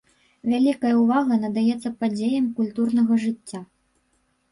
Вялікая ўвага надаецца падзеям культурнага жыцця.